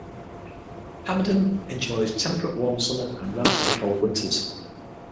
Hamadan enjoys temperate warm summers and relatively cold winters.